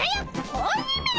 子鬼めら！